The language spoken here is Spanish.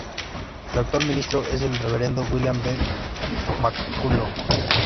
El actual ministro es el reverendo William B. McCulloch.